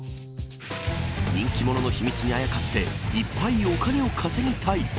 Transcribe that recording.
人気者の秘密にあやかっていっぱいお金を稼ぎたい。